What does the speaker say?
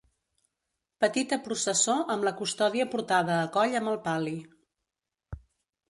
Petita processó amb la Custòdia portada a coll amb el pal·li.